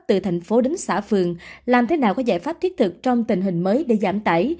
từ thành phố đến xã phường làm thế nào có giải pháp thiết thực trong tình hình mới để giảm tải